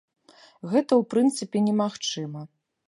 Гэта ў прынцыпе немагчыма.